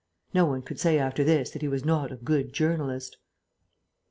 No one could say after this that he was not a good journalist.